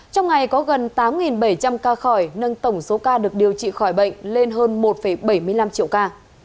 trong ngày có gần tám bảy trăm linh ca khỏi nâng tổng số ca được điều trị khỏi bệnh lên hơn một bảy mươi năm triệu ca